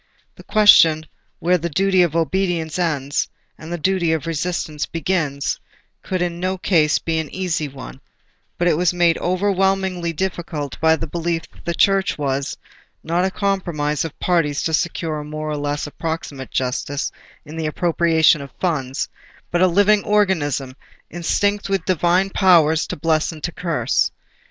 The question where the duty of obedience ends, and the duty of resistance begins, could in no case be an easy one; but it was made overwhelmingly difficult by the belief that the Church was—not a compromise of parties to secure a more or less approximate justice in the appropriation of funds, but—a living organism, instinct with Divine power to bless and to curse.